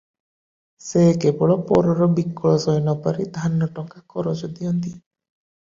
ସେ କେବଳ ପରର ବିକଳ ସହିନପାରି ଧାନ ଟଙ୍କା କରଜ ଦିଅନ୍ତି ।